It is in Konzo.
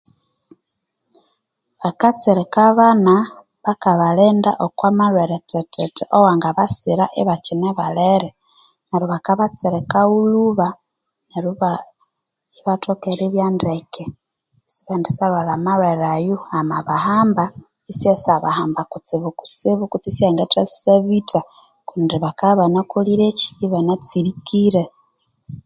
Bakatsirika abana ibakabalinda okwa malhwere thethethe awangabasira ibakyine balere, neryo bakabatsirikagho lhuba neryo ibathoka eribya ndeke isibendi syalhwalha amalhwere ayo amabahamba isyendisabahamba kutsibu kutse isyendithasyabitha kundi bakabya ibanakolireki? ibanatsirikire.